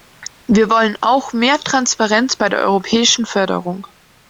Wir wollen auch mehr Transparenz bei der europäischen Förderung.